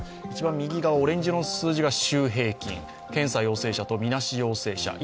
一番右、オレンジ色の数字が週平均検査陽性者とみなし陽性者